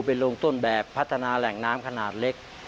เป็นโรงต้นแบบพัฒนาแหล่งน้ำขนาดเล็ก